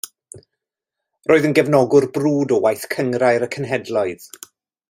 Roedd yn gefnogwr brwd o waith Gynghrair y Cenhedloedd.